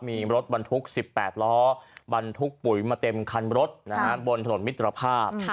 มีรถบรรทุก๑๘ล้อบรรทุกปุ๋ยมาเต็มคันรถบนถนนมิตรภาพ